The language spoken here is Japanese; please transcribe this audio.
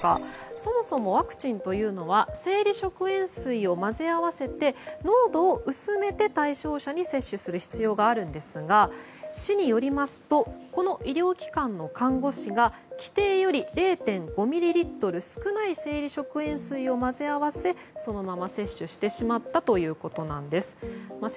そもそもワクチンというのは生理食塩水を混ぜ合わせて濃度を薄めて対象者に接種する必要があるんですが市によりますとこの医療機関の看護師が規定より０．５ミリリットル少ない生理食塩水を混ぜ合わせ、そのまま接種してしまったということです。